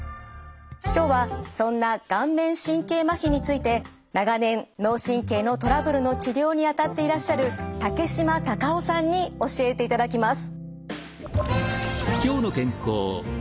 今日はそんな顔面神経まひについて長年脳神経のトラブルの治療にあたっていらっしゃる竹島多賀夫さんに教えていただきます。